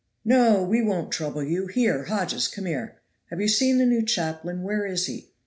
"No! we won't trouble you. Here, Hodges, come here. Have you seen the new chaplain where is he?"